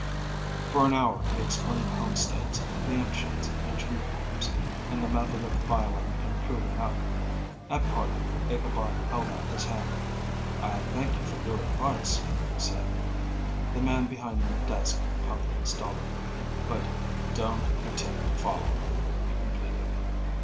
For an hour he explained homesteads, preemptions and tree claims, and the method of filing and proving up. At parting, Ichabod held out his hand. "I thank you for your advice," he said. The man behind the desk puffed stolidly. "But don't intend to follow it," he completed.